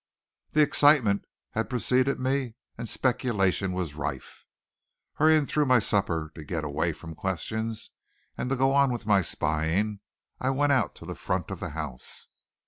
The excitement had preceded me and speculation was rife. Hurrying through my supper, to get away from questions and to go on with my spying, I went out to the front of the house.